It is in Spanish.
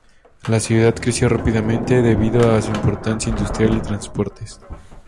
La ciudad creció rápidamente debido a su importancia industrial y de transportes.